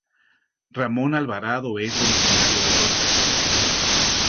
Ramón Alvarado es originario de Lota.